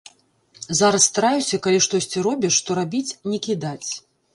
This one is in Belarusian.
Зараз стараюся, калі штосьці робіш, то рабіць, не кідаць.